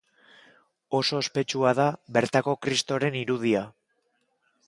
Oso ospetsua da bertako Kristoren irudia.